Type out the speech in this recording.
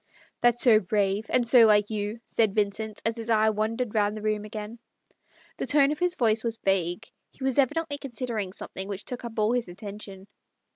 " That's so brave — and so like you," said Vincent, as his eye wandered round the room again. The tone of his voice was vague : he was evidently considering something which took up all his attention.